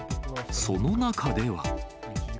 その中では。